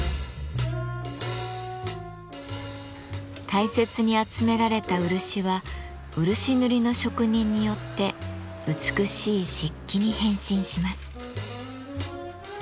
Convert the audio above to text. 大切に集められた漆は漆塗りの職人によって美しい漆器に変身します。